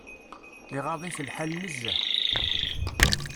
Iɣaḍ-it lḥal nezzeh.